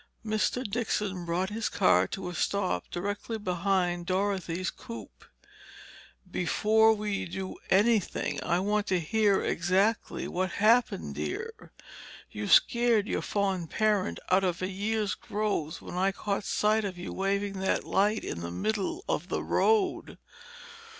Mr. Dixon brought his car to a stop directly behind Dorothy's coupe. "Before we do anything, I want to hear exactly what happened, dear. You scared your fond parent out of a year's growth when I caught sight of you waving that light in the middle of the road!"